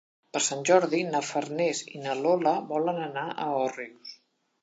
Per Sant Jordi na Farners i na Lola volen anar a Òrrius.